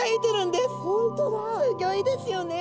すギョいですよね。